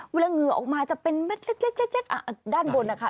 เหงื่อออกมาจะเป็นเม็ดเล็กด้านบนนะคะ